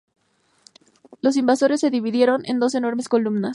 Los invasores se dividieron en dos enormes columnas.